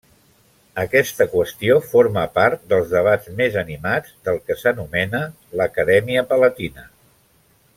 Aquesta qüestió forma part dels debats més animats del que s'anomena l'Acadèmia Palatina.